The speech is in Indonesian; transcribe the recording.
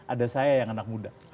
ada saya yang anak muda